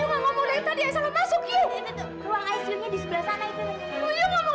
anggrek kamu kenapa ini aku